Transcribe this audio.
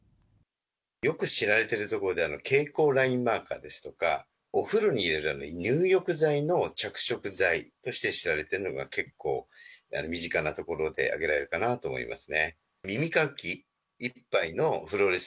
よく知られているところで蛍光ラインマーカーですとかお風呂に入れるための入浴剤の着色剤として知られているのが結構、身近なところで挙げられるかなと思います。